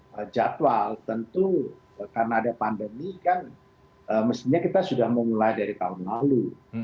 jadi jadwal tentu karena ada pandemi kan mestinya kita sudah mau mulai dari tahun lalu